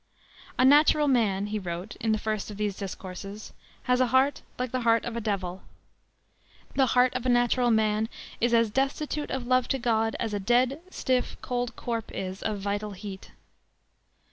"A natural man," he wrote in the first of these discourses, "has a heart like the heart of a devil.~.~.~. The heart of a natural man is as destitute of love to God as a dead, stiff, cold corpse is of vital heat."